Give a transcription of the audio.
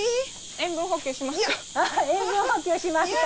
塩分補給しますか？